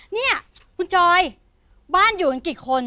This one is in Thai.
เนี่ยคุณจอยบ้านอยู่กันกี่คน